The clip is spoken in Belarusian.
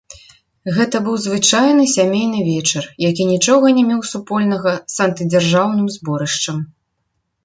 Гэта быў звычайны сямейны вечар, які нічога не меў супольнага з антыдзяржаўным зборышчам.